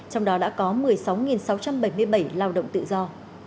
trong đó đã có một mươi sáu sáu trăm bảy mươi bảy lao động tự do